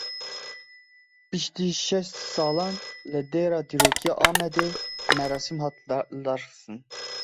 Piştî şêst salan li dêra dîrokî ya Amedê merasîm hat lidarxistin.